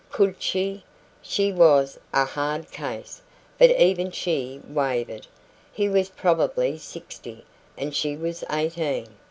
COULD she? She was a hard case, but even she wavered. He was probably sixty, and she was eighteen.